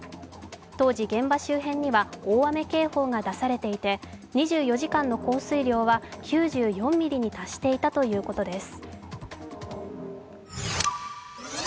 当時、現場周辺には大雨警報が出されていて、２４時間の降水量は９４ミリに達していたということです。